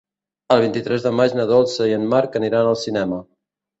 El vint-i-tres de maig na Dolça i en Marc aniran al cinema.